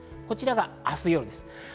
こちらが明日夜です。